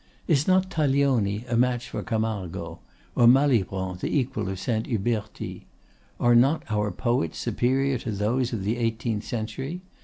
Is not Taglioni a match for Camargo? or Malibran the equal of Saint Huberti? Are not our poets superior to those of the eighteenth century?